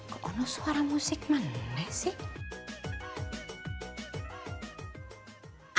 kok ada suara musik mana sih